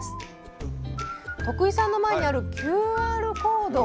徳井さんの前にあるＱＲコード。